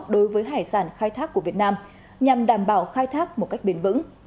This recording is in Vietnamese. đối với hải sản khai thác của việt nam nhằm đảm bảo khai thác một cách bền vững